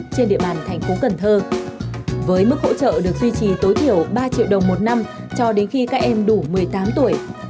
trên địa bàn thành phố cần thơ với mức hỗ trợ được duy trì tối thiểu ba triệu đồng một năm cho đến khi các em đủ một mươi tám tuổi